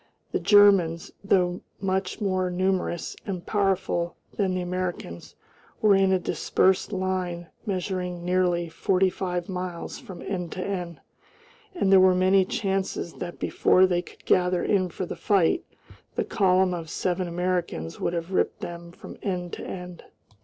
The Germans, though much more numerous and powerful than the Americans, were in a dispersed line measuring nearly forty five miles from end to end, and there were many chances that before they could gather in for the fight the column of seven Americans would have ripped them from end to end.